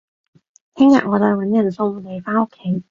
聽日我再搵人送你返屋企